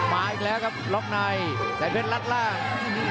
มาอีกแล้วครับล็อกในแสนเพชรรัดล่าง